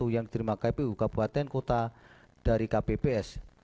yang diterima kpu kabupaten kota dari kpps